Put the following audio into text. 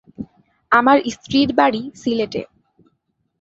আমার স্ত্রীর বাড়ি সিলেটে।